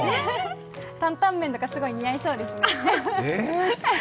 担々麺とかすごい似合いそうですね。